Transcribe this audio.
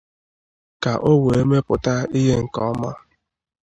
ka o wee mepụta ihe nke ọma